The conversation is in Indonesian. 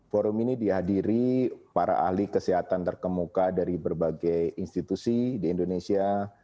forum ini dihadiri para ahli kesehatan terkemuka dari berbagai institusi di indonesia